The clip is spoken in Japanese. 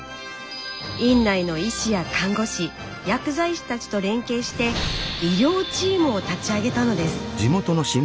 院内の医師や看護師薬剤師たちと連携して医療チームを立ち上げたのです。